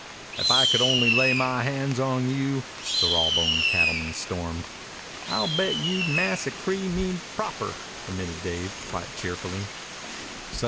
"If I could only lay my hands on you!" the raw boned cattleman stormed. "I'll bet you'd massacree me proper," admitted Dave quite cheerfully.